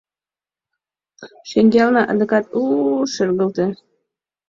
Шеҥгелне адакат «У-у-у» шергылте.